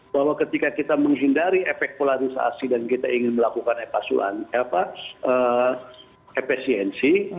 bahwa ketika kita menghindari efek polarisasi dan kita ingin melakukan efisiensi